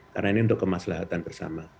karena ini untuk kemaslahan bersama